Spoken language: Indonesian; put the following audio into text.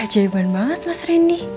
kajaiban banget mas rendy